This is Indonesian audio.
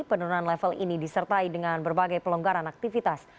penurunan level ini disertai dengan berbagai pelonggaran aktivitas